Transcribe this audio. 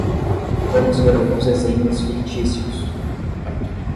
Vamos ver alguns exemplos fictícios.